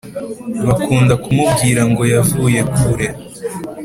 Bakunda kumubwira ngo yavuye kure